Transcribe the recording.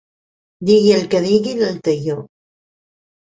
Digui el que digui l'Altaió.